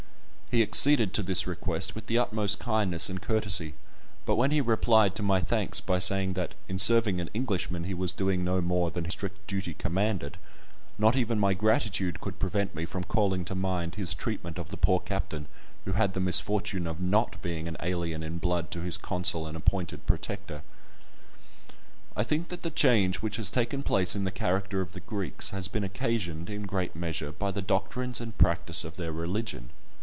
He acceded to this request with the utmost kindness and courtesy; but when he replied to my thanks by saying that "in serving an Englishman he was doing no more than his strict duty commanded," not even my gratitude could prevent me from calling to mind his treatment of the poor captain who had the misfortune of not being an alien in blood to his consul and appointed protector. I think that the change which has taken place in the character of the Greeks has been occasioned, in great measure, by the doctrines and practice of their religion.